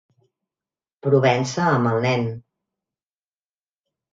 Provença amb el nen.